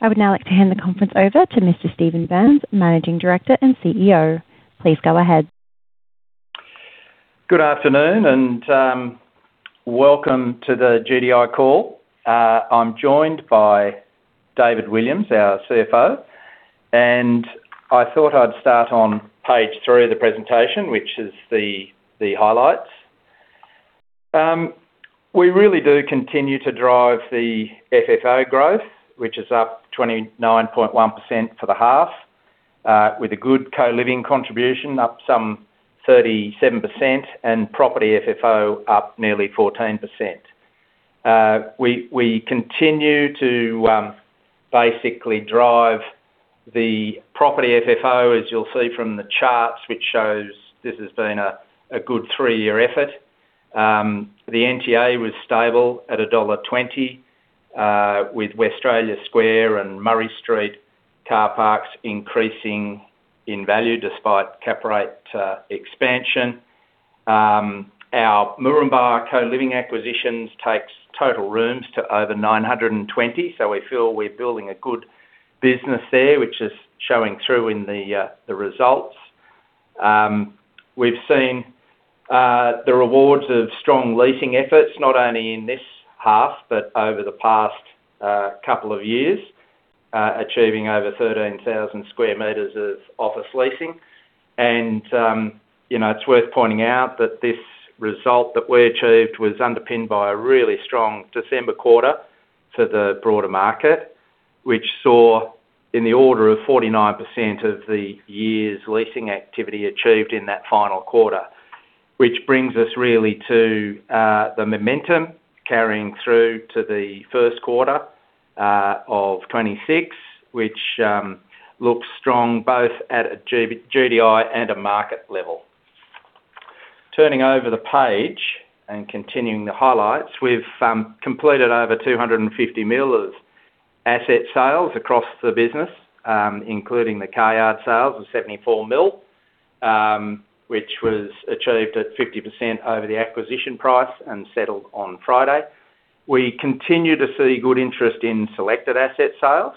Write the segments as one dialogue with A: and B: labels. A: I would now like to hand the conference over to Mr. Stephen Burns, Managing Director and CEO. Please go ahead.
B: Good afternoon, welcome to the GDI call. I'm joined by David Williams, our CFO, I thought I'd start on page 3 of the presentation, which is the highlights. We really do continue to drive the FFO growth, which is up 29.1% for the half, with a good co-living contribution, up some 37% and property FFO up nearly 14%. We continue to basically drive the property FFO, as you'll see from the charts, which shows this has been a 3-year effort. The NTA was stable at dollar 1.20, with Westralia Square and Murray Street car parks increasing in value despite cap rate expansion. Our Moranbah co-living acquisitions takes total rooms to over 920. We feel we're building a good business there, which is showing through in the results. We've seen the rewards of strong leasing efforts, not only in this half, but over the past couple of years, achieving over 13,000 square meters of office leasing. You know, it's worth pointing out that this result that we achieved was underpinned by a really strong December quarter to the broader market, which saw in the order of 49% of the year's leasing activity achieved in that final quarter. Which brings us really to the momentum carrying through to the first quarter of 2026, which looks strong both at a GDI and a market level. Turning over the page and continuing the highlights, we've completed over 250 million of asset sales across the business, including the car yard sales of 74 million, which was achieved at 50% over the acquisition price and settled on Friday. We continue to see good interest in selected asset sales.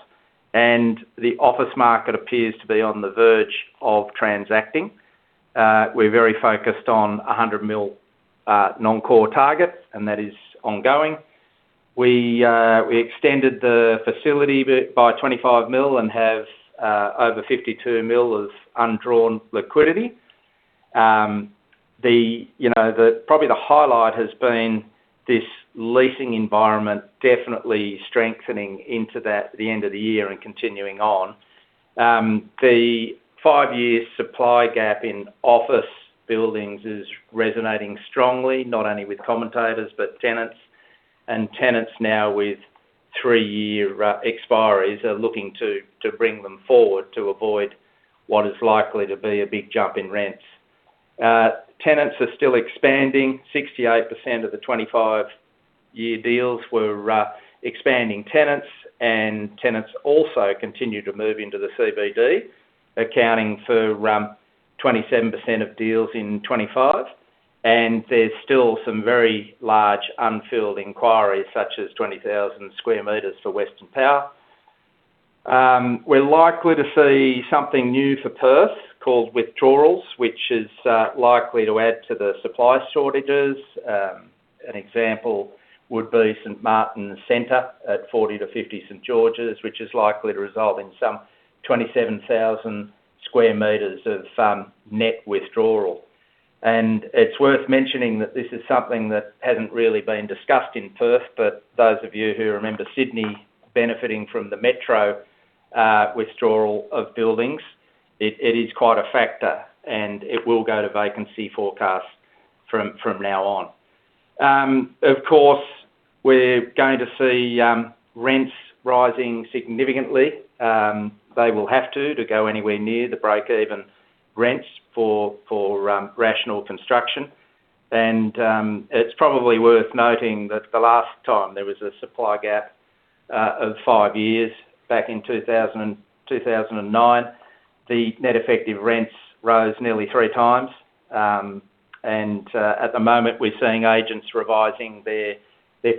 B: The office market appears to be on the verge of transacting. We're very focused on 100 million non-core targets. That is ongoing. We extended the facility bit by 25 million and have over 52 million of undrawn liquidity. The, you know, probably the highlight has been this leasing environment, definitely strengthening into that, the end of the year and continuing on. The five-year supply gap in office buildings is resonating strongly, not only with commentators, but tenants. Tenants now with 3-year expiries, are looking to, to bring them forward to avoid what is likely to be a big jump in rents. Tenants are still expanding. 68% of the 25-year deals were expanding tenants, and tenants also continue to move into the CBD, accounting for 27% of deals in 2025. There's still some very large unfilled inquiries, such as 20,000 square meters for Western Power. We're likely to see something new for Perth, called withdrawals, which is likely to add to the supply shortages. An example would be St. Martin's Centre at 40-50 St. George's, which is likely to result in some 27,000 square meters of net withdrawal. It's worth mentioning that this is something that hasn't really been discussed in Perth, but those of you who remember Sydney benefiting from the Metro withdrawal of buildings, it is quite a factor, and it will go to vacancy forecasts from now on. Of course, we're going to see rents rising significantly. They will have to go anywhere near the break-even rents for rational construction. It's probably worth noting that the last time there was a supply gap of 5 years back in 2009, the net effective rents rose nearly 3x. At the moment, we're seeing agents revising their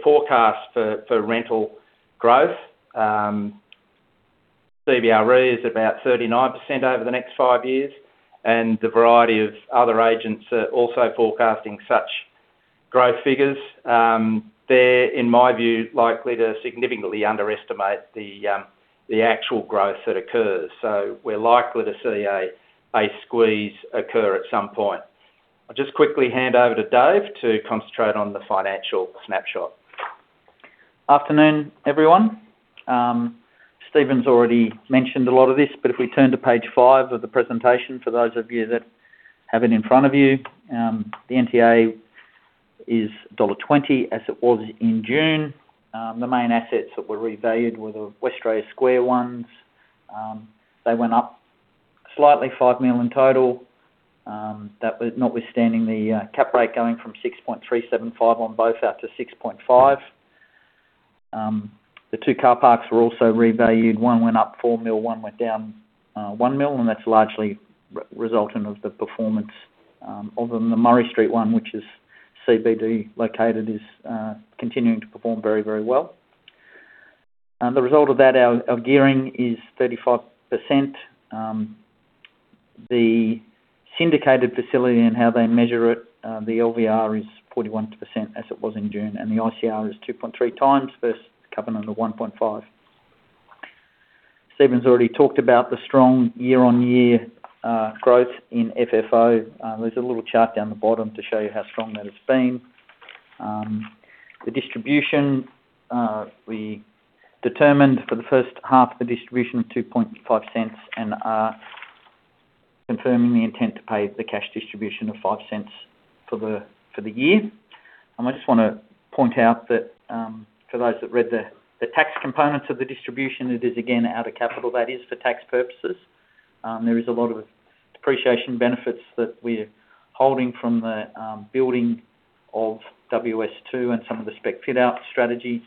B: forecast for rental growth. CBRE is about 39% over the next 5 years, and a variety of other agents are also forecasting such growth figures. They're, in my view, likely to significantly underestimate the actual growth that occurs, so we're likely to see a, a squeeze occur at some point. I'll just quickly hand over to Dave to concentrate on the financial snapshot.
C: Afternoon, everyone. Stephen's already mentioned a lot of this, but if we turn to page 5 of the presentation, for those of you that have it in front of you, the NTA is dollar 1.20, as it was in June. The main assets that were revalued were the Westralia Square ones. They went up slightly, 5 million in total. That was notwithstanding the cap rate going from 6.375 on both out to 6.5. The 2 car parks were also revalued. One went up 4 million, one went down 1 million, and that's largely resultant of the performance of them. The Murray Street one, which is CBD located, is continuing to perform very, very well. The result of that, our gearing is 35%. The syndicated facility and how they measure it, the LVR is 41% as it was in June, the ICR is 2.3x versus covenant of 1.5. Stephen's already talked about the strong year-on-year growth in FFO. There's a little chart down the bottom to show you how strong that has been. The distribution, we determined for the first half of the distribution, 0.025, are confirming the intent to pay the cash distribution of 0.05 for the year. I just wanna point out that for those that read the tax components of the distribution, it is again, out of capital that is for tax purposes. There is a lot of depreciation benefits that we're holding from the building of WS2 and some of the spec fit-out strategies.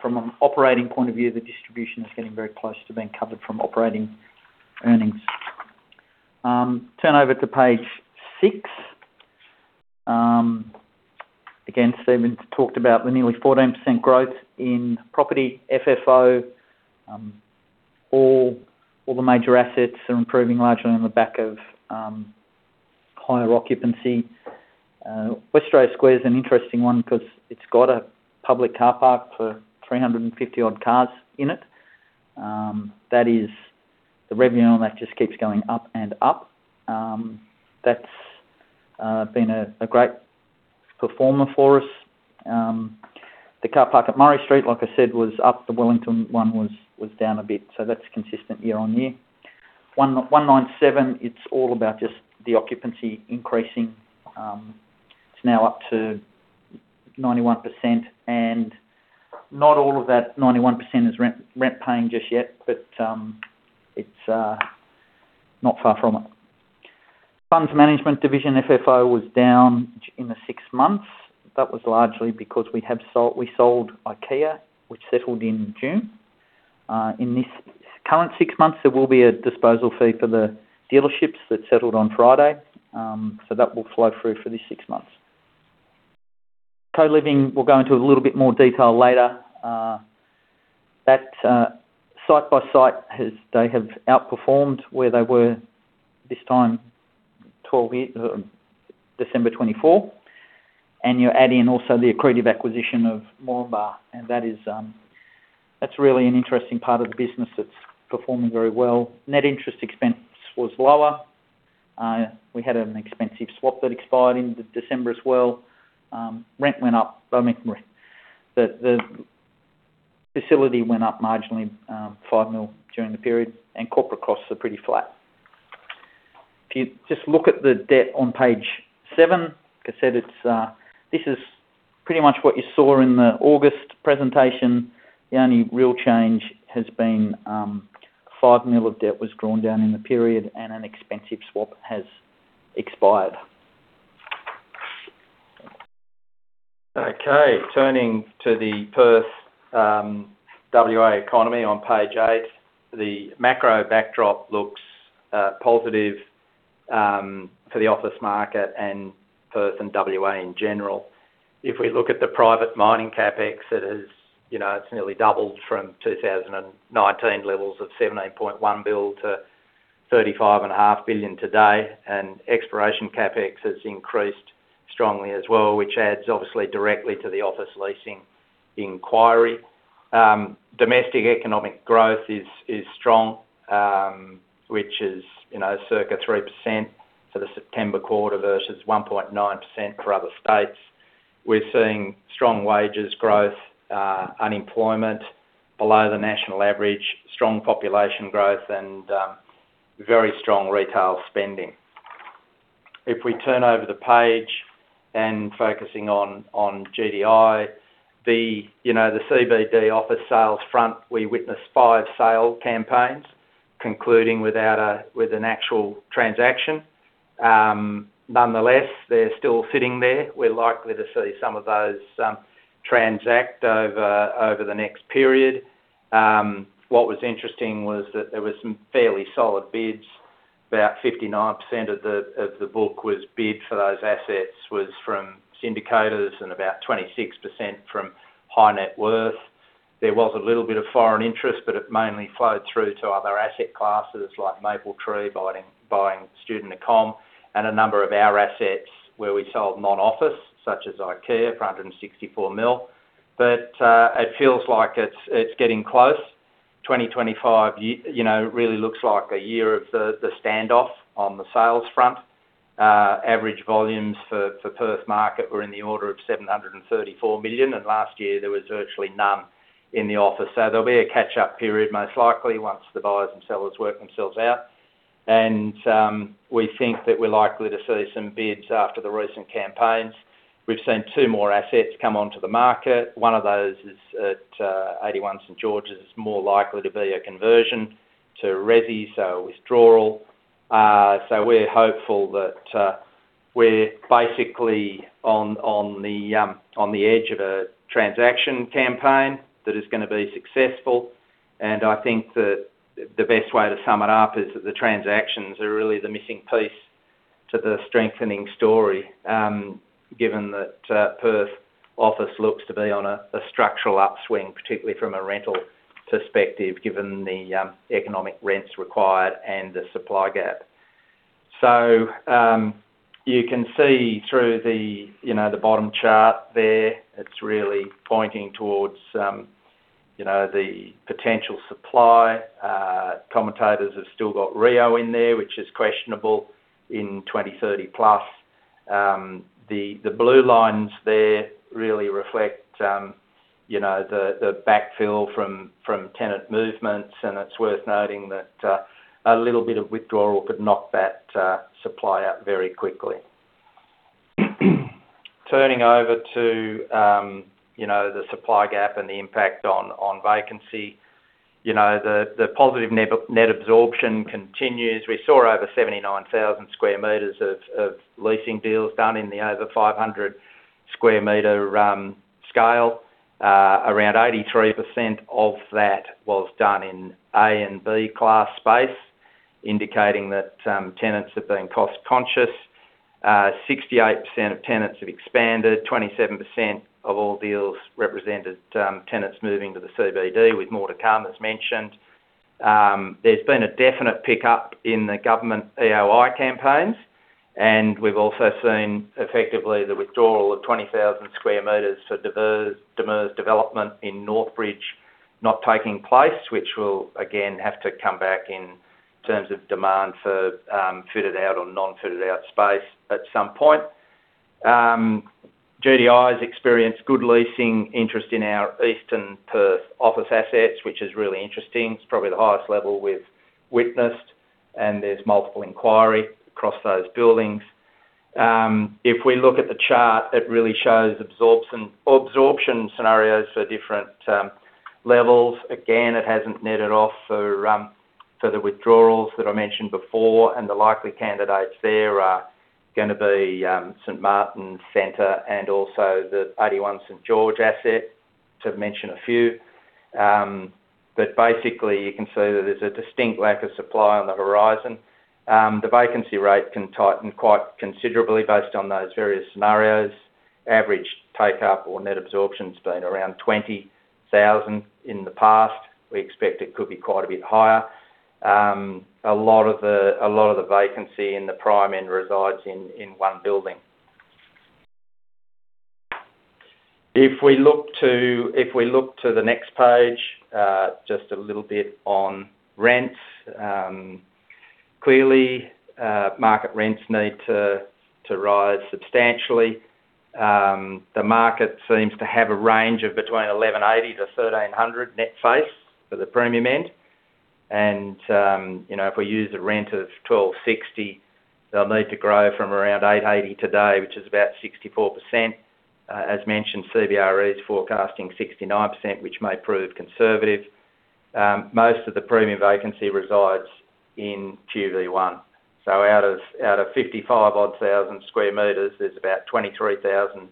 C: From an operating point of view, the distribution is getting very close to being covered from operating earnings. Turn over to page 6. Again, Stephen talked about the nearly 14% growth in property FFO. All, all the major assets are improving largely on the back of higher occupancy. Westralia Square is an interesting one because it's got a public car park for 350 odd cars in it. That is, the revenue on that just keeps going up and up. That's been a great performer for us. The car park at Murray Street, like I said, was up. The Wellington one was, was down a bit, so that's consistent year-on-year. 197, it's all about just the occupancy increasing. It's now up to 91%, not all of that 91% is rent, rent paying just yet, but it's not far from it. Funds management division, FFO was down in the 6 months. That was largely because we sold IKEA, which settled in June. In this current 6 months, there will be a disposal fee for the dealerships that settled on Friday. That will flow through for this 6 months. Co-living, we'll go into a little bit more detail later. That site by site they have outperformed where they were this time, 12 years, December 24th. You're adding in also the accretive acquisition of Moranbah, and that is, that's really an interesting part of the business that's performing very well. Net interest expense was lower. We had an expensive swap that expired in December as well. Rent went up, I mean, the, the facility went up marginally, 5 million during the period. Corporate costs are pretty flat. If you just look at the debt on page 7, like I said, this is pretty much what you saw in the August presentation. The only real change has been, 5 million of debt was drawn down in the period and an expensive swap has expired.
B: Okay, turning to the Perth, WA economy on page 8. The macro backdrop looks positive for the office market and Perth and WA in general. If we look at the private mining CapEx, it has, you know, it's nearly doubled from 2019 levels of 17.1 billion to 35.5 billion today, and exploration CapEx has increased strongly as well, which adds obviously directly to the office leasing inquiry. Domestic economic growth is strong, which is, you know, circa 3% for the September quarter versus 1.9% for other states. We're seeing strong wages growth, unemployment below the national average, strong population growth, and very strong retail spending. If we turn over the page and focusing on, on GDI, the, you know, the CBD office sales front, we witnessed five sale campaigns concluding without an actual transaction. Nonetheless, they're still sitting there. We're likely to see some of those transact over the next period. What was interesting was that there was some fairly solid bids. About 59% of the, of the book was bid for those assets, was from syndicators and about 26% from high net worth. There was a little bit of foreign interest, but it mainly flowed through to other asset classes like Mapletree, buying, buying Student Accom, and a number of our assets where we sold non-office, such as IKEA for 164 million. It feels like it's getting close. 2025 you know, really looks like a year of the, the standoff on the sales front. Average volumes for, for Perth market were in the order of 734 million. Last year there was virtually none in the office. There'll be a catch-up period, most likely, once the buyers and sellers work themselves out. We think that we're likely to see some bids after the recent campaigns. We've seen 2 more assets come onto the market. One of those is at 81 St. George's, is more likely to be a conversion to resi, so a withdrawal. We're hopeful that we're basically on, on the, on the edge of a transaction campaign that is gonna be successful. I think that, the best way to sum it up is that the transactions are really the missing piece to the strengthening story, given that Perth office looks to be on a structural upswing, particularly from a rental perspective, given the economic rents required and the supply gap. You can see through the, you know, the bottom chart there, it's really pointing towards, you know, the potential supply. Commentators have still got Rio in there, which is questionable in 2030+. The blue lines there really reflect, you know, the backfill from tenant movements, and it's worth noting that a little bit of withdrawal could knock that supply out very quickly. Turning over to, you know, the supply gap and the impact on, on vacancy, you know, the, the positive net, net absorption continues. We saw over 79,000 square meters of, of leasing deals done in the over 500 square meter scale. Around 83% of that was done in A and B class space, indicating that tenants have been cost-conscious. 68% of tenants have expanded, 27% of all deals represented, tenants moving to the CBD with more to come, as mentioned. There's been a definite pickup in the government EOI campaigns, and we've also seen effectively the withdrawal of 20,000 square meters for Devwest Development in Northbridge, not taking place, which will again, have to come back in terms of demand for, fitted out or non-fitted out space at some point. GDI has experienced good leasing interest in our East Perth office assets, which is really interesting. It's probably the highest level we've witnessed, and there's multiple inquiry across those buildings. If we look at the chart, it really shows absorption, absorption scenarios for different levels. Again, it hasn't netted off for the withdrawals that I mentioned before, and the likely candidates there are gonna be St. Martin's Centre and also the 81 St. George's asset, to mention a few. Basically, you can see that there's a distinct lack of supply on the horizon. The vacancy rate can tighten quite considerably based on those various scenarios. Average take-up or net absorption's been around 20,000 in the past. We expect it could be quite a bit higher. A lot of the, a lot of the vacancy in the prime end resides in, in 1 building. If we look to, if we look to the next page, just a little bit on rents. Clearly, market rents need to, to rise substantially. The market seems to have a range of between $1,180-$1,300 net face for the premium end, and, you know, if we use a rent of $1,260, they'll need to grow from around $880 today, which is about 64%. As mentioned, CBRE is forecasting 69%, which may prove conservative. Most of the premium vacancy resides in QV 1. Out of, out of 55,000 odd square meters, there's about 23,000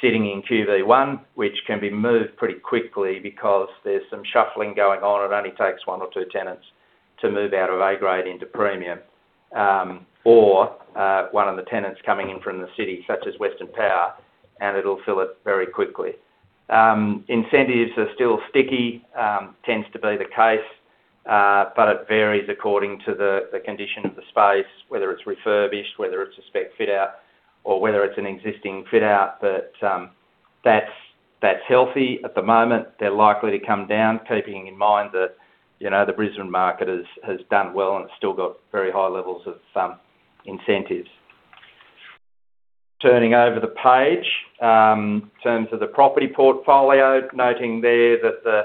B: sitting in QV 1, which can be moved pretty quickly because there's some shuffling going on. It only takes 1 or 2 tenants to move out of A grade into premium, or one of the tenants coming in from the city, such as Western Power, and it'll fill it very quickly. Incentives are still sticky, tends to be the case, but it varies according to the, the condition of the space, whether it's refurbished, whether it's a spec fit-out, or whether it's an existing fit-out. That's, that's healthy at the moment. They're likely to come down, keeping in mind that, you know, the Brisbane market has, has done well, and it's still got very high levels of incentives. Turning over the page, in terms of the property portfolio, noting there that the,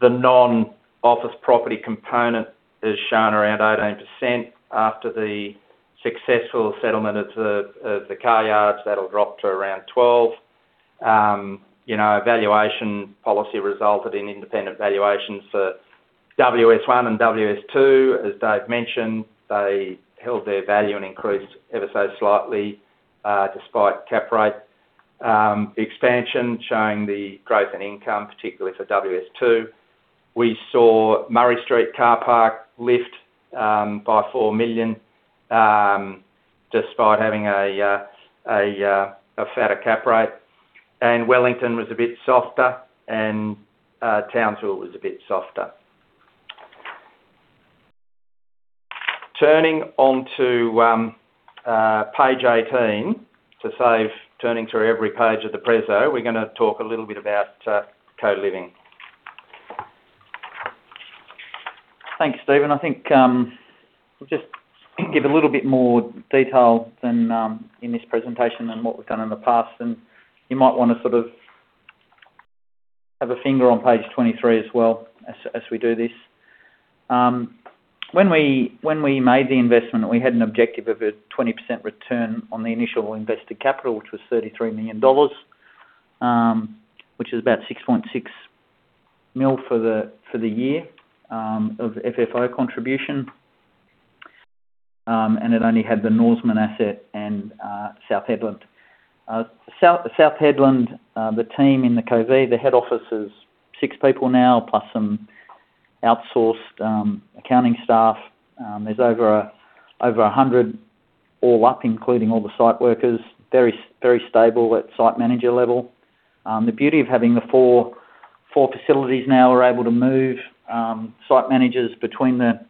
B: the non-office property component is shown around 18%. After the successful settlement of the, of the car yards, that'll drop to around 12. You know, valuation policy resulted in independent valuations for WS1 and WS2. As Dave mentioned, they held their value and increased ever so slightly, despite cap rate. The expansion showing the growth in income, particularly for WS2. We saw Murray Street Carpark lift, by 4 million, despite having a, a, a fatter cap rate, and Wellington was a bit softer and Townsville was a bit softer. Turning onto, page 18, to save turning through every page of the preso, we're gonna talk a little bit about, co-living.
C: Thanks, Stephen. I think we'll just give a little bit more detail than in this presentation than what we've done in the past. You might want to, sort of, have a finger on page 23 as well, as, as we do this. When we, when we made the investment, we had an objective of a 20% return on the initial invested capital, which was 33 million dollars, which is about 6.6 million for the year of FFO contribution. It only had the Norseman asset and South Hedland. South, South Hedland, the team in The Cove, the head office is six people now, plus some outsourced accounting staff. There's over, over 100 all up, including all the site workers. Very stable at site manager level. The beauty of having the four, four facilities now, we're able to move site managers between the,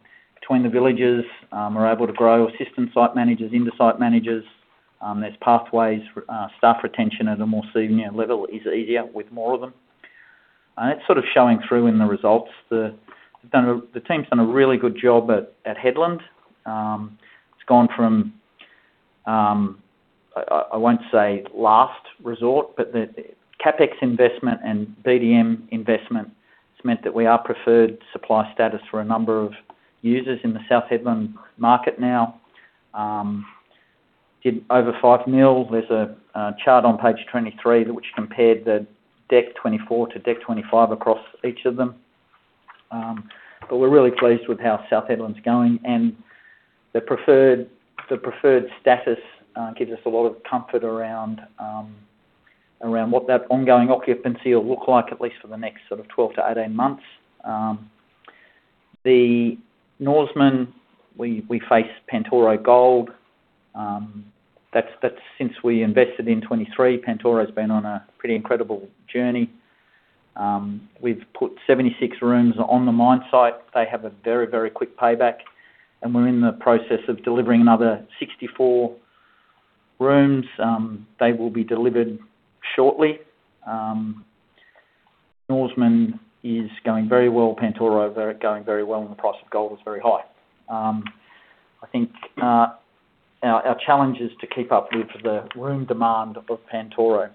C: between the villages, we're able to grow assistant site managers into site managers. There's pathways, staff retention at a more senior level is easier with more of them. It's sort of showing through in the results. The team's done a really good job at Hedland. It's gone from, I won't say last resort, but the CapEx investment and BDM investment has meant that we are preferred supplier status for a number of users in the South Hedland market now. Did over 5 million. There's a chart on page 23, which compared the December 2024 to December 2025 across each of them. We're really pleased with how South Hedland's going, and the preferred, the preferred status gives us a lot of comfort around what that ongoing occupancy will look like, at least for the next sort of 12 to 18 months. The Norseman, we face Pantoro Gold. That's since we invested in 2023, Pantoro's been on a pretty incredible journey. We've put 76 rooms on the mine site. They have a very, very quick payback, and we're in the process of delivering another 64 rooms. They will be delivered shortly. Norseman is going very well. Pantoro going very well, and the price of gold is very high. Our challenge is to keep up with the room demand of Pantoro.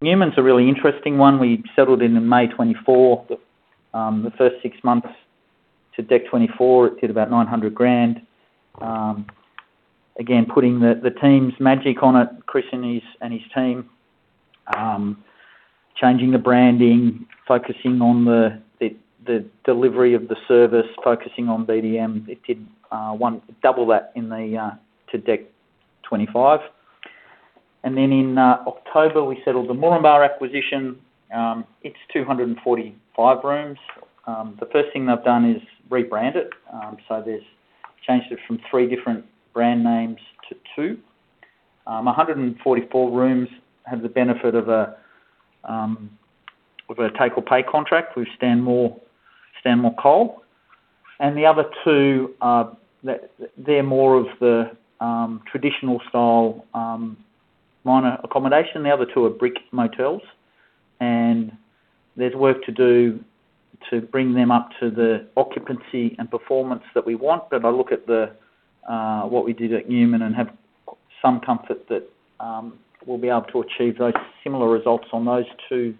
C: Newman's a really interesting one. We settled in May 2024. The first 6 months to DEC 2024, it did about 900,000. Again, putting the team's magic on it, Chris and his team. Changing the branding, focusing on the delivery of the service, focusing on BDM, it did double that to DEC 2025. In October, we settled the Moranbah acquisition. It's 245 rooms. The first thing they've done is rebrand it. So there's changed it from 3 different brand names to 2. 144 rooms have the benefit of a take-or-pay contract with Stanmore, Stanmore Coal. The other 2 are, they're, they're more of the traditional style, minor accommodation. The other two are brick motels, and there's work to do to bring them up to the occupancy and performance that we want. I look at the what we did at Newman and have some comfort that we'll be able to achieve those similar results on those two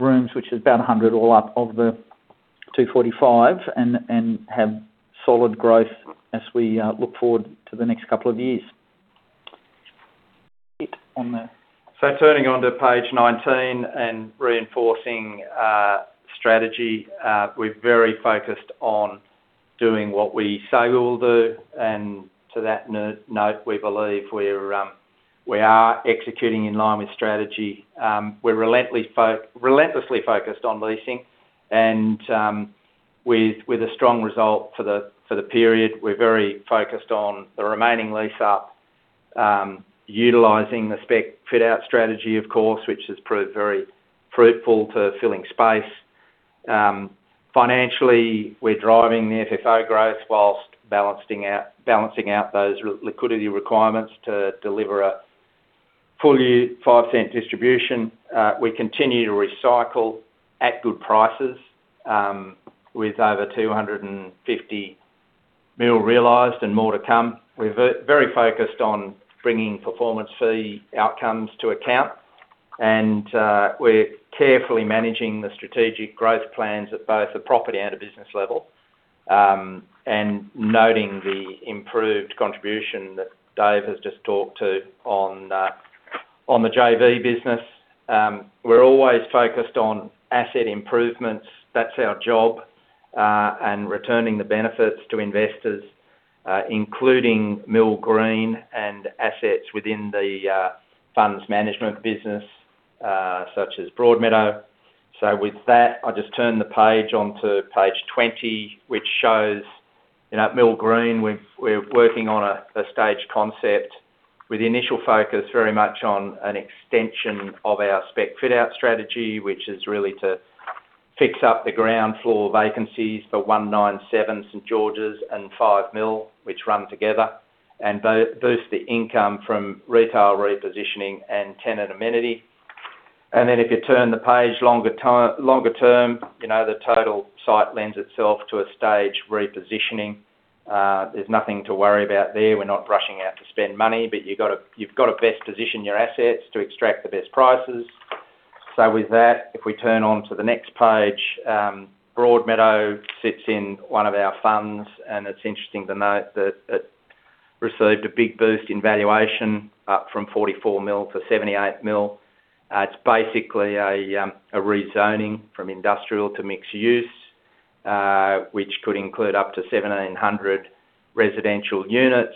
C: rooms, which is about 100 all up of the 245, and have solid growth as we look forward to the next couple of years. On the...
B: Turning onto page 19 and reinforcing, strategy, we're very focused on doing what we say we will do, and to that note, we believe we're, we are executing in line with strategy. We're relentlessly focused on leasing and, with a strong result for the period. We're very focused on the remaining lease-up, utilizing the spec fit-out strategy, of course, which has proved very fruitful to filling space. Financially, we're driving the FFO growth whilst balancing out those liquidity requirements to deliver a full year 0.05 distribution. We continue to recycle at good prices, with over 250 million realized and more to come. We're very focused on bringing performance fee outcomes to account, and we're carefully managing the strategic growth plans at both a property and a business level. Noting the improved contribution that Dave has just talked to on the JV business. We're always focused on asset improvements, that's our job, and returning the benefits to investors, including Mill Green and assets within the funds management business, such as Broadmeadow. With that, I just turn the page onto page 20, which shows, you know, at Mill Green, we've, we're working on a stage concept, with the initial focus very much on an extension of our spec fit-out strategy, which is really to fix up the ground floor vacancies for 197 St. George's and 5 Mill, which run together, and boost the income from retail repositioning and tenant amenity. Then, if you turn the page, longer time, longer term, you know, the total site lends itself to a stage repositioning. There's nothing to worry about there. We're not rushing out to spend money, but you've gotta, you've got to best position your assets to extract the best prices. With that, if we turn on to the next page, Broadmeadow sits in one of our funds, and it's interesting to note that, it received a big boost in valuation, up from 44 million to 78 million. It's basically a rezoning from industrial to mixed use, which could include up to 1,700 residential units.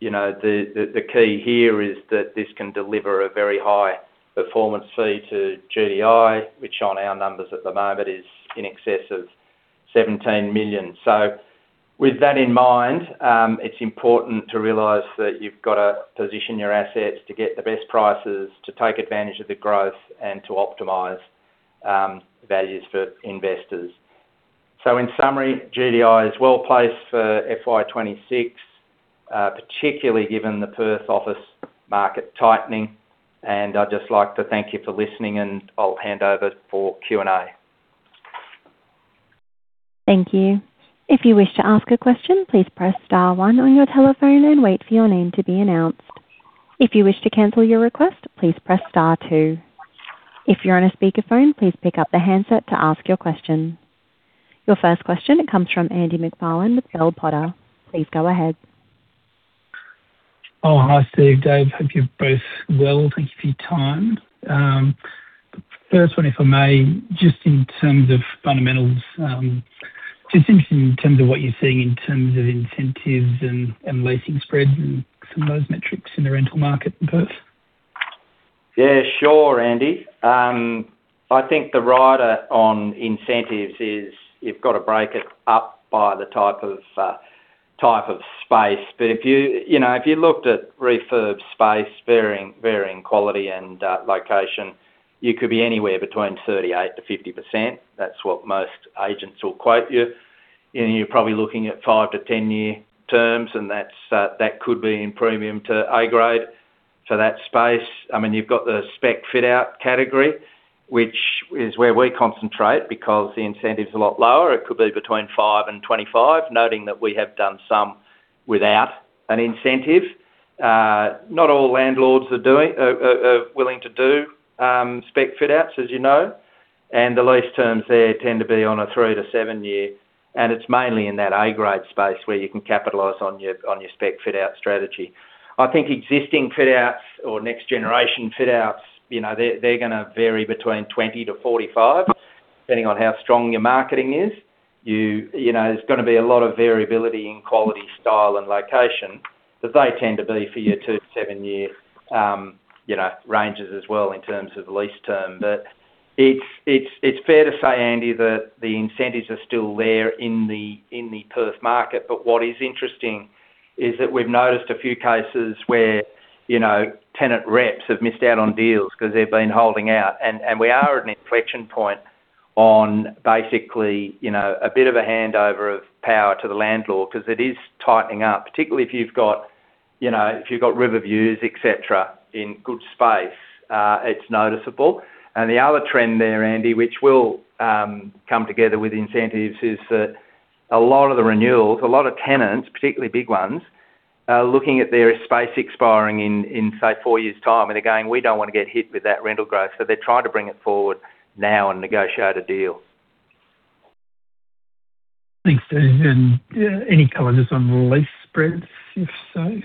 B: You know, the, the, the key here is that this can deliver a very high performance fee to GDI, which on our numbers at the moment, is in excess of 17 million. With that in mind, it's important to realize that you've got to position your assets to get the best prices, to take advantage of the growth, and to optimize values for investors. In summary, GDI is well-placed for FY 2026, particularly given the Perth office market tightening. I'd just like to thank you for listening, and I'll hand over for Q&A.
A: Thank you. If you wish to ask a question, please press star one on your telephone and wait for your name to be announced. If you wish to cancel your request, please press star two. If you're on a speakerphone, please pick up the handset to ask your question. Your first question comes from Andy Macfarlane with Bell Potter. Please go ahead.
D: Oh, hi, Steve, Dave. Hope you're both well. Thank you for your time. First one, if I may, just in terms of fundamentals, just interested in terms of what you're seeing in terms of incentives and, and leasing spreads and some of those metrics in the rental market in Perth?
B: Yeah, sure, Andy. I think the rider on incentives is, you've got to break it up by the type of space. If you, you know, if you looked at refurb space, varying, varying quality and location, you could be anywhere between 38%-50%. That's what most agents will quote you. You're probably looking at 5-10 year terms, and that's, that could be in premium to A-grade. That space, I mean, you've got the spec fit-out category, which is where we concentrate because the incentive is a lot lower. It could be between 5 and 25, noting that we have done some without an incentive. Not all landlords are willing to do, spec fit-outs, as you know, and the lease terms there tend to be on a 3-7 year, and it's mainly in that A-grade space where you can capitalize on your, on your spec fit-out strategy. I think existing fit-outs or next generation fit-outs, you know, they, they're gonna vary between 20 to 45, depending on how strong your marketing is. You, you know, there's gonna be a lot of variability in quality, style, and location, but they tend to be for your 2-7 year, you know, ranges as well, in terms of the lease term. It's, it's, it's fair to say, Andy, that the incentives are still there in the, in the Perth market. What is interesting, is that we've noticed a few cases where, you know, tenant reps have missed out on deals because they've been holding out. We are at an inflection point on basically, you know, a bit of a handover of power to the landlord because it is tightening up, particularly if you've got, you know, if you've got river views, et cetera, in good space, it's noticeable. The other trend there, Andy, which will come together with incentives, is that a lot of the renewals, a lot of tenants, particularly big ones, are looking at their space expiring in, in, say, 4 years' time, and they're going, "We don't want to get hit with that rental growth." They're trying to bring it forward now and negotiate a deal.
D: Thanks, Steve, and any comment just on lease spreads, if so?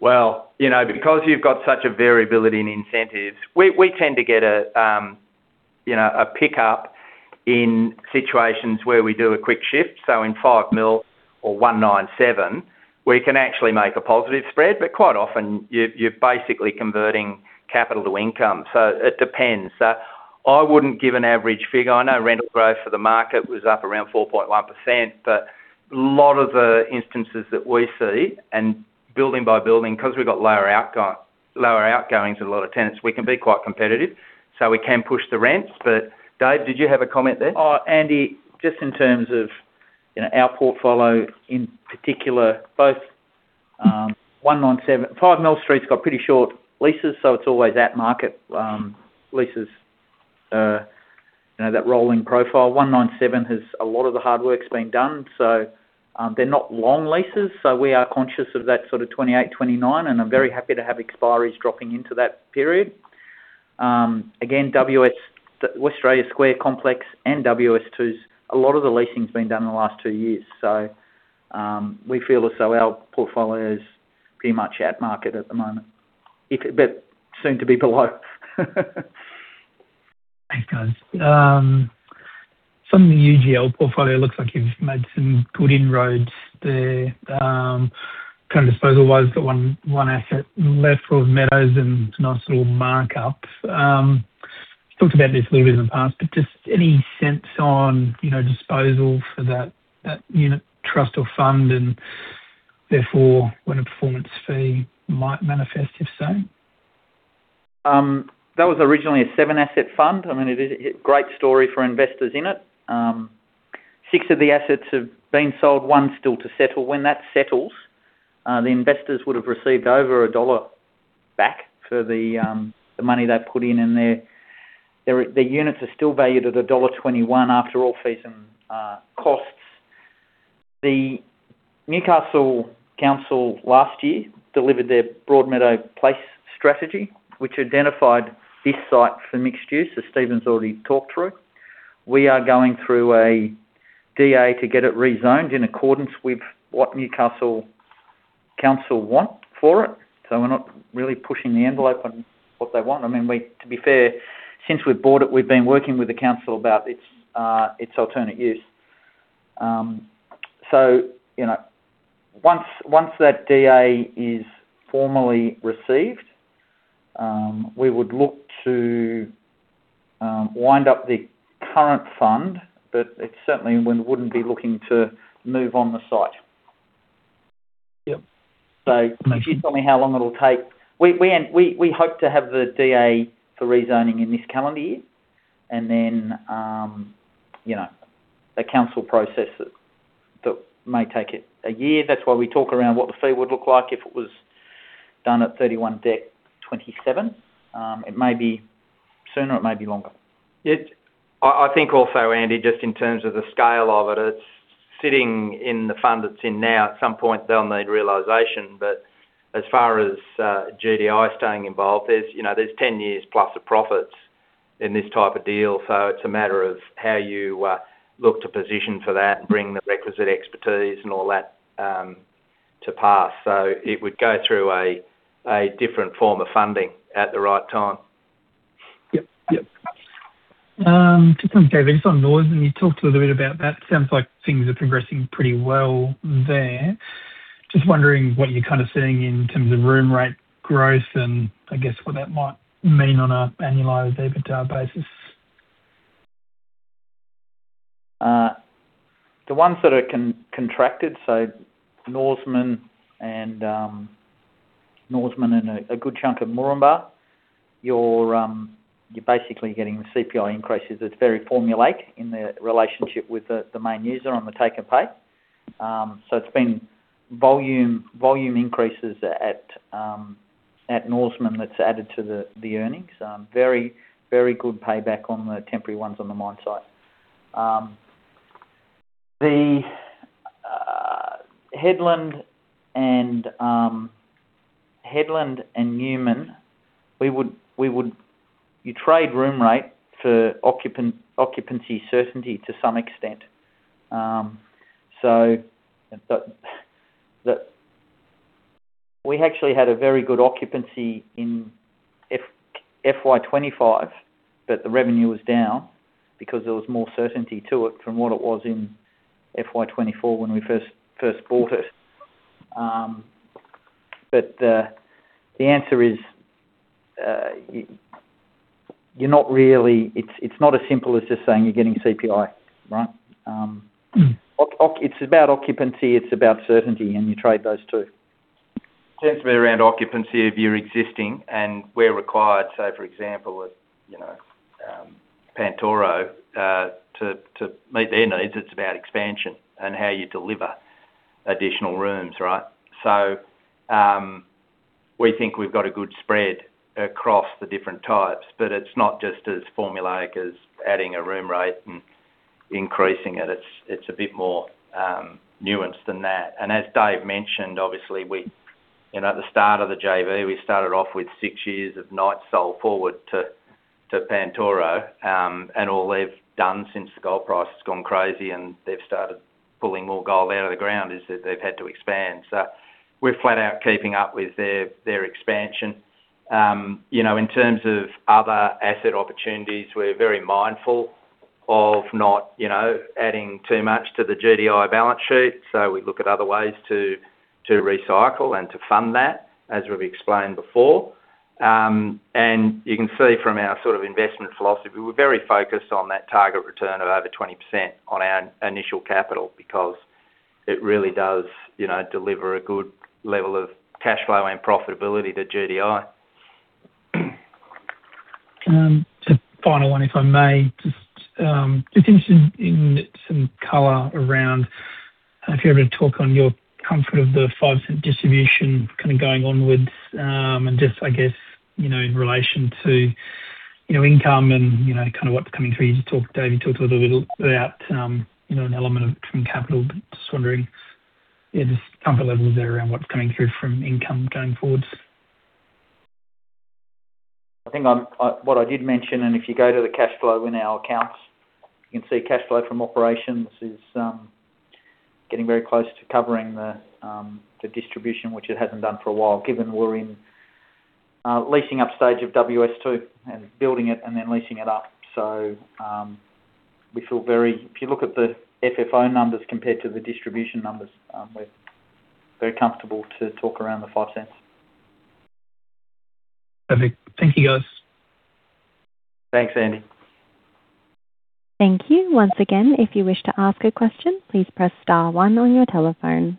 B: Well, you know, because you've got such a variability in incentives, we, we tend to get a, you know, a pickup in situations where we do a quick shift. In 5 Mill or 197, we can actually make a positive spread, but quite often, you're, you're basically converting capital to income. It depends. I wouldn't give an average figure. I know rental growth for the market was up around 4.1%, but a lot of the instances that we see, and building by building, because we've got lower outgoings with a lot of tenants, we can be quite competitive, so we can push the rents. Dave, did you have a comment there?
C: Andy, just in terms of, you know, our portfolio in particular, both 197-- 5 Mill Street's got pretty short leases, so it's always at market leases, you know, that rolling profile. 197 has... A lot of the hard work's been done, so they're not long leases, so we are conscious of that sort of 28, 29, and I'm very happy to have expiries dropping into that period. Again, WS, Westralia Square Complex and WS2, a lot of the leasing's been done in the last 2 years, so we feel as though our portfolio is pretty much at market at the moment. If, but soon to be below.
D: Thanks, guys. From the UGP portfolio, it looks like you've made some good inroads there. Kind of disposal-wise, got 1, 1 asset left, Broadmeadow, and nice little markup. Talked about this a little bit in the past, but just any sense on, you know, disposal for that, that unit, trust, or fund, and therefore, when a performance fee might manifest, if so?
C: That was originally a seven-asset fund. It is a, a great story for investors in it. Six of the assets have been sold, one still to settle. When that settles, the investors would have received over AUD 1 back for the money they put in, and their, their, the units are still valued at dollar 1.21 after all fees and costs. The City of Newcastle last year delivered their Broadmeadow Place strategy, which identified this site for mixed use, as Stephen's already talked through. We are going through a DA to get it rezoned in accordance with what Newcastle Council want for it. We're not really pushing the envelope on what they want. I mean, we, to be fair, since we've bought it, we've been working with the council about its, its alternate use. You know, once, once that DA is formally received, we would look to wind up the current fund, but it's certainly we wouldn't be looking to move on the site.
B: Yep.
C: If you tell me how long it'll take, we, we, and we, we hope to have the DA for rezoning in this calendar year, and then, you know, the council process that may take it a year. That's why we talk around what the fee would look like if it was done at 31 December 2027. It may be sooner, it may be longer.
B: It, I, I think also, Andy, just in terms of the scale of it, it's sitting in the fund that's in now. At some point, they'll need realization, but as far as GDI staying involved, there's, you know, there's 10+ years of profits in this type of deal. It's a matter of how you look to position for that and bring the requisite expertise and all that to pass. It would go through a different form of funding at the right time.
C: Yep, yep.
D: Just on, Dave, just on noise, and you talked a little bit about that. It sounds like things are progressing pretty well there. Just wondering what you're kind of seeing in terms of room rate growth, and I guess what that might mean on an annualized EBITDA basis?
C: The ones that are con-contracted, so Norseman and Norseman and a, a good chunk of Moranbah, you're basically getting CPI increases. It's very formulaic in the relationship with the, the main user on the take-or-pay. It's been volume, volume increases at Norseman that's added to the earnings. Very, very good payback on the temporary ones on the mine site. The Hedland and Hedland and Newman, we would, we would-- You trade room rate for occupan-occupancy certainty to some extent. The-- We actually had a very good occupancy in FY 2025, but the revenue was down because there was more certainty to it from what it was in FY 2024 when we first, first bought it. The answer is, you're not really... It's, it's not as simple as just saying you're getting CPI, right? It's about occupancy, it's about certainty, and you trade those two.
B: Tends to be around occupancy if you're existing and where required. For example, if, you know, Pantoro, to, to meet their needs, it's about expansion and how you deliver additional rooms, right? We think we've got a good spread across the different types, but it's not just as formulaic as adding a room rate and increasing it. It's, it's a bit more nuanced than that. As Dave mentioned, obviously, we, you know, at the start of the JV, we started off with 6 years of nights sold forward to, to Pantoro. All they've done since the gold price has gone crazy and they've started pulling more gold out of the ground, is that they've had to expand. We're flat out keeping up with their, their expansion. You know, in terms of other asset opportunities, we're very mindful of not, you know, adding too much to the GDI balance sheet, so we look at other ways to, to recycle and to fund that, as we've explained before. You can see from our sort of investment philosophy, we're very focused on that target return of over 20% on our initial capital, because it really does, you know, deliver a good level of cash flow and profitability to GDI.
D: Just final one, if I may. Just interested in some color around if you ever talk on your comfort of the 0.05 distribution kind of going onwards, and just, I guess, you know, in relation to, you know, income and, you know, kind of what's coming through. You talk, Dave, you talked a little, little about, you know, an element of return capital, but just wondering if there's comfort levels there around what's coming through from income going forwards.
C: I think I'm, what I did mention, if you go to the cash flow in our accounts, you can see cash flow from operations is getting very close to covering the distribution, which it hasn't done for a while, given we're in leasing upstage of WS2 and building it and then leasing it up. We feel very, if you look at the FFO numbers compared to the distribution numbers, we're very comfortable to talk around 0.05.
D: Perfect. Thank you, guys.
B: Thanks, Andy.
A: Thank you. Once again, if you wish to ask a question, please press star one on your telephone.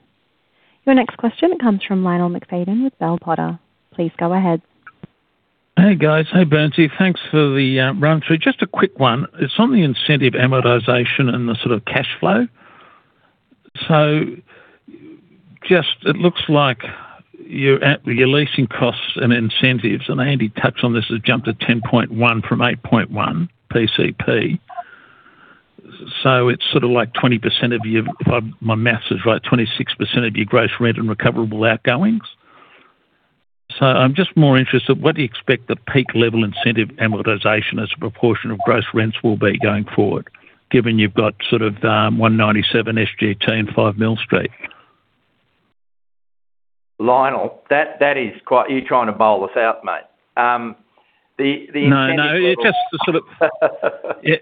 A: Your next question comes from Lionel McFadyen with Bell Potter. Please go ahead.
E: Hey, guys. Hey, Burnsie. Thanks for the run-through. Just a quick one. It's on the incentive amortization and the sort of cash flow. It looks like your leasing costs and incentives, and Andy touched on this, has jumped to 10.1 from 8.1 PCP. It's sort of like 20% of your, if my math is right, 26% of your gross rent and recoverable outgoings? I'm just more interested, what do you expect the peak level incentive amortization as a proportion of gross rents will be going forward, given you've got sort of 197 SGT and 5 Mill Street?
B: Lionel, that, that is quite-- Are you trying to bowl us out, mate?
E: No, no, it's just to sort of, yeah.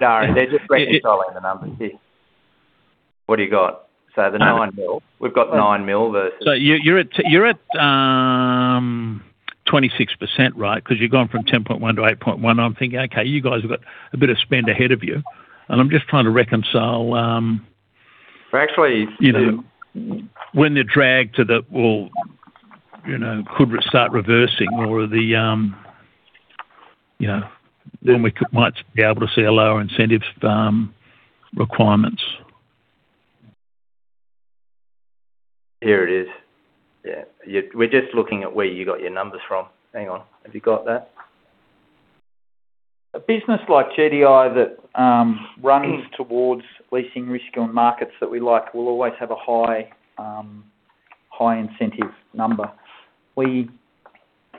B: No, they're just reconciling the numbers here. What do you got? The 9 mil, we've got 9 mil versus-
E: You, you're at, you're at, 26%, right? Because you've gone from 10.1 to 8.1. I'm thinking, okay, you guys have got a bit of spend ahead of you, and I'm just trying to reconcile.
B: We're.
E: When the drag to the, well, you know, could start reversing or the, you know, then we could, might be able to see a lower incentive, requirements.
B: Here it is. Yeah, we're just looking at where you got your numbers from. Hang on. Have you got that?
C: A business like GDI that runs towards leasing risk on markets that we like, will always have a high, high incentive number. We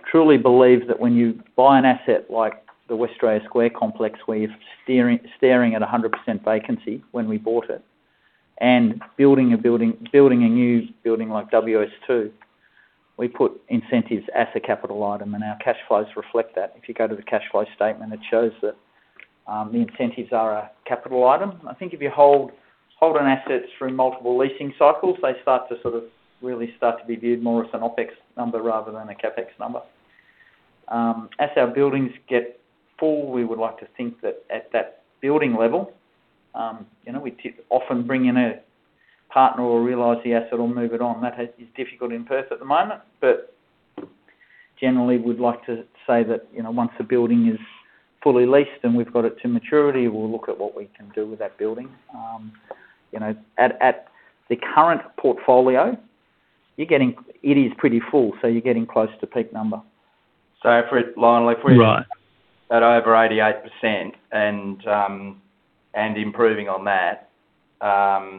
C: truly believe that when you buy an asset like the Westralia Square Complex, where you're staring, staring at 100% vacancy when we bought it, and building a building, building a new building like WS2, we put incentives as a capital item, and our cash flows reflect that. If you go to the cash flow statement, it shows that the incentives are a capital item. I think if you hold, hold on assets through multiple leasing cycles, they start to sort of really start to be viewed more as an OpEx number rather than a CapEx number. As our buildings get full, we would like to think that at that building level, you know, we often bring in a partner or realize the asset or move it on. That is difficult in Perth at the moment, but generally, we'd like to say that, you know, once the building is fully leased and we've got it to maturity, we'll look at what we can do with that building. You know, at, at the current portfolio, you're getting. It is pretty full, so you're getting close to peak number.
B: For it, Lionel, if we...
E: Right
B: At over 88% and improving on that, the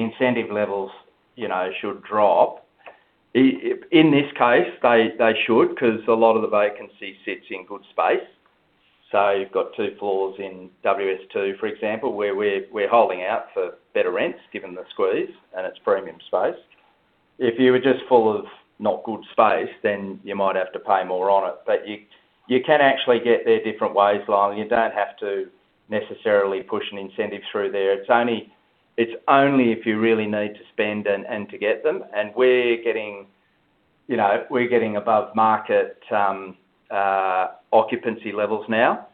B: incentive levels, you know, should drop. In this case, they, they should, 'cause a lot of the vacancy sits in good space. You've got 2 floors in WS2, for example, where we're holding out for better rents, given the squeeze, and it's premium space. If you were just full of not good space, then you might have to pay more on it. You, you can actually get there different ways, Lionel. You don't have to necessarily push an incentive through there. It's only, it's only if you really need to spend and to get them, and we're getting, you know, we're getting above market occupancy levels now,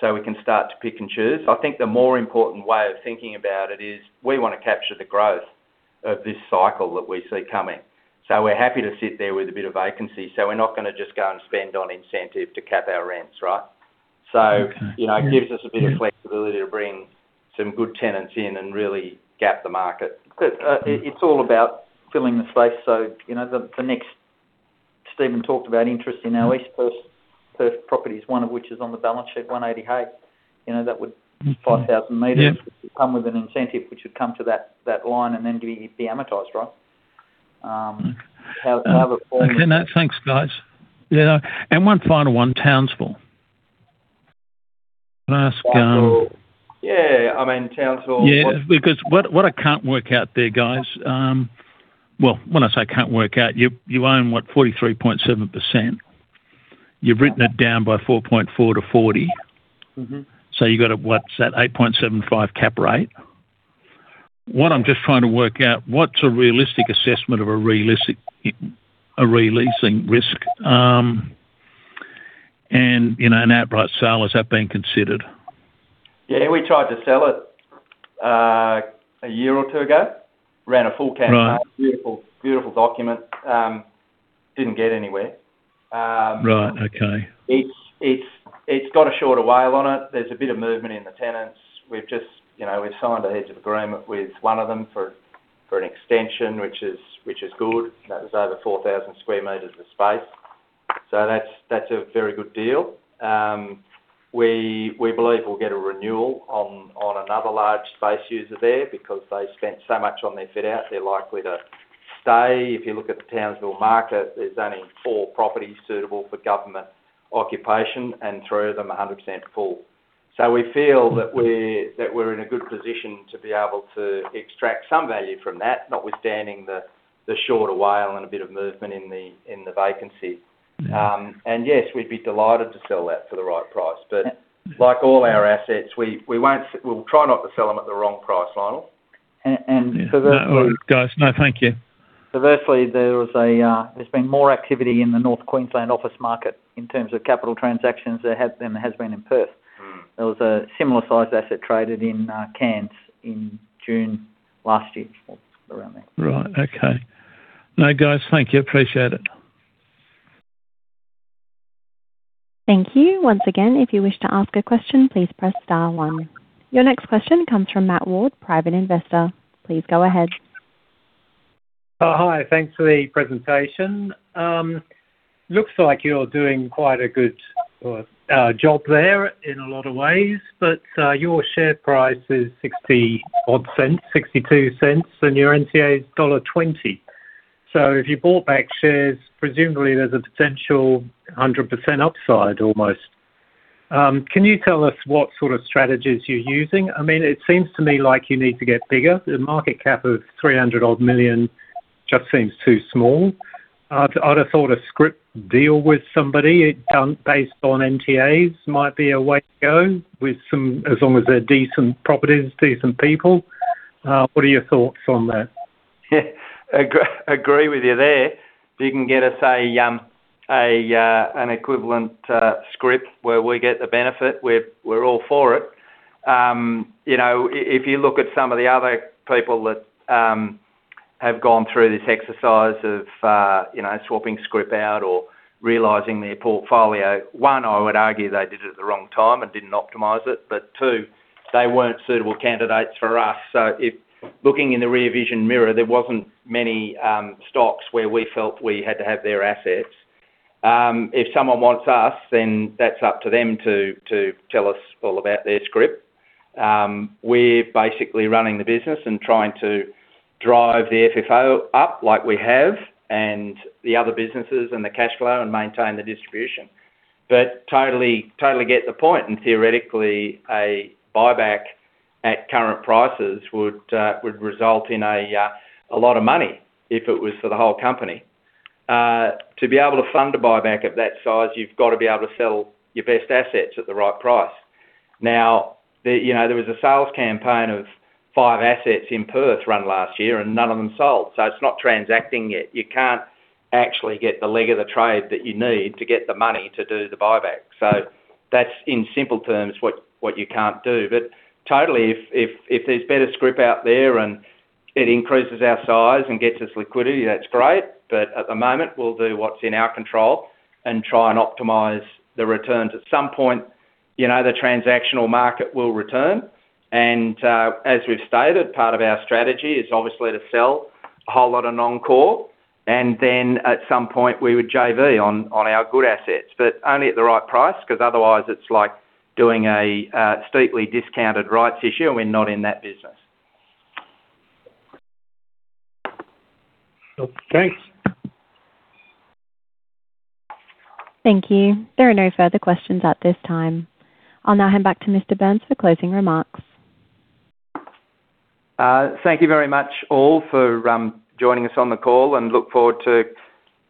B: so we can start to pick and choose. I think the more important way of thinking about it is, we wanna capture the growth of this cycle that we see coming. We're happy to sit there with a bit of vacancy, so we're not gonna just go and spend on incentive to cap our rents, right?
E: Okay.
B: You know, it gives us a bit of flexibility to bring some good tenants in and really gap the market.
C: It's all about filling the space, so you know, Stephen talked about interest in our East Perth, Perth property, one of which is on the balance sheet, 180 Hay. You know, that would, 5,000 meters.
E: Yeah
C: would come with an incentive, which would come to that, that line and then be, be amortized, right? Have it for.
E: Okay, now, thanks, guys. Yeah, and one final one, Townsville. Can I ask.
B: Yeah, I mean, Townsville-
E: Yeah, because what I can't work out there, guys. Well, when I say can't work out, you own what? 43.7%. You've written it down by 4.4 to 40.
B: Mm-hmm.
E: You've got a, what's that? 8.75 cap rate. What I'm just trying to work out, what's a realistic assessment of a re-leasing risk, and, you know, an outright sale, has that been considered?
B: Yeah, we tried to sell it, a year or 2 ago. Ran a full campaign.
E: Right.
B: Beautiful, beautiful document. didn't get anywhere.
E: Right, okay.
B: It's, it's, it's got a shorter WALE on it. There's a bit of movement in the tenants. We've just, you know, we've signed a heads of agreement with one of them for, for an extension, which is, which is good. That was over 4,000 square meters of space. That's, that's a very good deal. We, we believe we'll get a renewal on, on another large space user there because they spent so much on their fit out, they're likely to stay. If you look at the Townsville market, there's only four properties suitable for government occupation, and three of them are 100% full. We feel that we're, that we're in a good position to be able to extract some value from that, notwithstanding the, the shorter WALE and a bit of movement in the, in the vacancy. Yes, we'd be delighted to sell that for the right price, but like all our assets, we, we won't-- We'll try not to sell them at the wrong price, Lionel.
C: Conversely.
E: Guys, no, thank you.
C: Conversely, there was a, there's been more activity in the North Queensland office market in terms of capital transactions, there has been in Perth.
B: Mm.
C: There was a similar size asset traded in Cairns in June last year, around there.
E: Right. Okay. Now, guys, thank you. Appreciate it.
A: Thank you. Once again, if you wish to ask a question, please press star one. Your next question comes from Matt Ward, private investor. Please go ahead.
F: Hi. Thanks for the presentation. Looks like you're doing quite a good job there in a lot of ways, but your share price is 0.60 odd, 0.62, and your NTA is dollar 1.20. If you bought back shares, presumably there's a potential 100% upside almost. Can you tell us what sort of strategies you're using? I mean, it seems to me like you need to get bigger. The market cap of 300 million odd just seems too small. I'd have thought a scrip deal with somebody done based on NTAs might be a way to go with some, as long as they're decent properties, decent people. What are your thoughts on that?
B: Agree, agree with you there. If you can get us a an equivalent scrip where we get the benefit, we're, we're all for it. You know, if you look at some of the other people that have gone through this exercise of, you know, swapping scrip out or realizing their portfolio, 1, I would argue they did it at the wrong time and didn't optimize it, 2, they weren't suitable candidates for us. If looking in the rear vision mirror, there wasn't many stocks where we felt we had to have their assets. If someone wants us, then that's up to them to, to tell us all about their scrip. We're basically running the business and trying to drive the FFO up like we have, and the other businesses and the cash flow and maintain the distribution. Totally, totally get the point, and theoretically, a buyback at current prices would result in a lot of money if it was for the whole company. To be able to fund a buyback of that size, you've got to be able to sell your best assets at the right price. Now, the, you know, there was a sales campaign of five assets in Perth run last year, and none of them sold, so it's not transacting yet. You can't actually get the leg of the trade that you need to get the money to do the buyback. That's in simple terms, what, what you can't do. Totally, if, if, if there's better scrip out there and it increases our size and gets us liquidity, that's great, but at the moment, we'll do what's in our control and try and optimize the returns. At some point, you know, the transactional market will return, and as we've stated, part of our strategy is obviously to sell a whole lot of non-core, and then at some point we would JV on, on our good assets, but only at the right price, 'cause otherwise it's like doing a steeply discounted rights issue, and we're not in that business.
F: Okay, thanks.
A: Thank you. There are no further questions at this time. I'll now hand back to Mr. Burns for closing remarks.
B: Thank you very much all for joining us on the call, and look forward to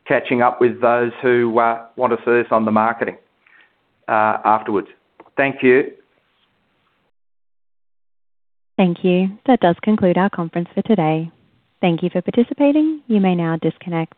B: catching up with those who want to see us on the marketing afterwards. Thank you.
A: Thank you. That does conclude our conference for today. Thank you for participating. You may now disconnect.